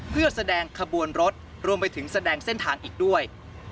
เพื่อแสดงขบวนรถรวมไปถึงแสดงเส้นทางอีกด้วย